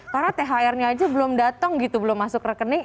karena thr nya aja belum datang belum masuk rekening